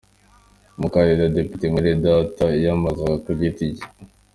Umukandida Depite Mwenedata yiyamamazaga ku giti cye.